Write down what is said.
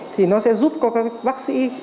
thì nó sẽ giúp các bác sĩ